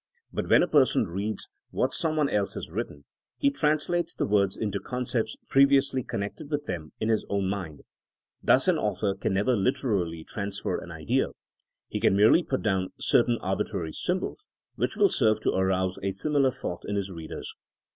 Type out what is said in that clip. But when a person reads what some one 202 THINKINO AS A SOIENOE else has written, he translates the words into the concepts previously connected with them in his own mind. Thus an author can never liter ally transfer an idea. He can merely put down certain arbitrary symbols, which will serve to arouse a similar thought in his readers.